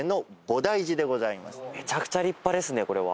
めちゃくちゃ立派ですねこれは。